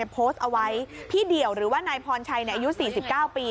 โพสต์เอาไว้พี่เดี่ยวหรือว่านายพรชัยอายุ๔๙ปี